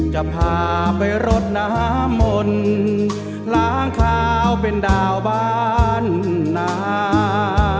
จะพาไปรถนามมนล้างคาวเป็นดาวบ้านน้ำ